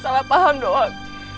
salah paham doang